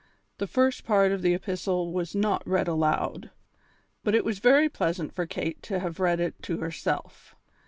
The first part of the epistle was not read aloud, but it was very pleasant for Kate to read it to herself.